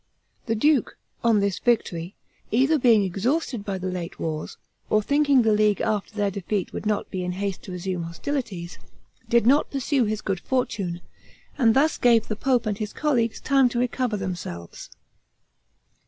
The duke, on this victory, either being exhausted by the late wars, or thinking the League after their defeat would not be in haste to resume hostilities, did not pursue his good fortune, and thus gave the pope and his colleagues time to recover themselves.